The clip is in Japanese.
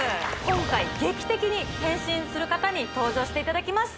今回劇的に変身する方に登場していただきます